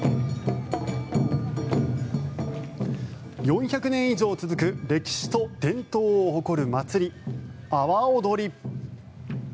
４００年以上続く歴史と伝統を誇る祭り阿波おどり。